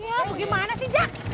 ya bagaimana sih jack